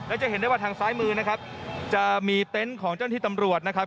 แล้วจะเห็นได้ว่าทางซ้ายมือนะครับจะมีเต็นต์ของเจ้าหน้าที่ตำรวจนะครับ